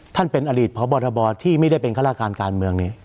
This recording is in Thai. ท่านเป็นอดีตพบทบที่ไม่ได้เป็นฆาตการการเมืองนี้